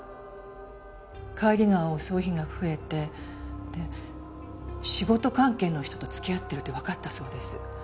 帰りが遅い日が増えてで仕事関係の人と付き合ってるってわかったそうです。